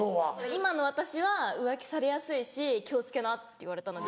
「今の私は浮気されやすいし気を付けな」って言われたので。